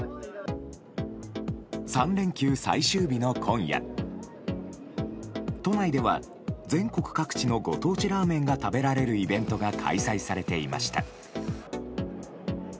３連休最終日の今夜都内では、全国各地のご当地ラーメンが食べられるイベントが開催されていました。